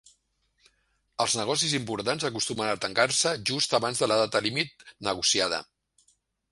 Els negocis importants acostumen a tancar-se just abans de la data límit negociada.